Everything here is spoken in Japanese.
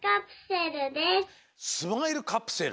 スマイルカプセル？